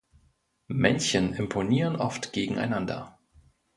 Männchen imponieren oft gegeneinander.